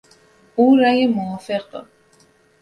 او رای موافق داد.